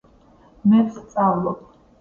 მე ვსწავლობ